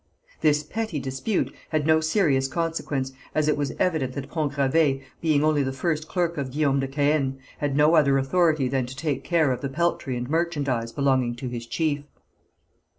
This petty dispute had no serious consequence, as it was evident that Pont Gravé, being only the first clerk of Guillaume de Caën, had no other authority than to take care of the peltry and merchandise belonging to his chief.